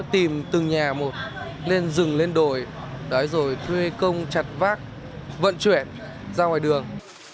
tìm từng nhà một lên rừng lên đồi rồi thuê công chặt vác vận chuyển ra ngoài đường